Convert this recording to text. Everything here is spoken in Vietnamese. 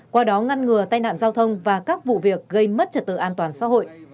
qua đó ngăn ngừa tai nạn giao thông và các vụ việc gây mất trật tự an toàn xã hội